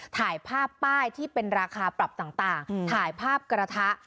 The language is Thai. ถ่ายภาพป้ายที่เป็นราคาปรับต่างถ่ายภาพกระทะ